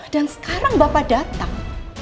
dan sekarang bapak datang